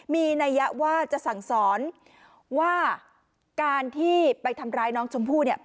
มีนัยยะว่าจะสั่งสอนว่าการที่ไปทำร้ายน้องชมพู่เนี่ย